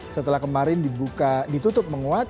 setelah kemarin ditutup menguat